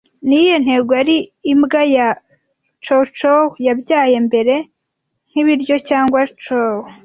Niyihe ntego yari imbwa ya chow chow yabyaye mbere nkibiryo cyangwa Chow